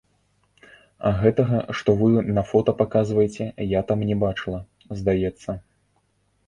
А гэтага, што вы на фота паказваеце, я там не бачыла, здаецца.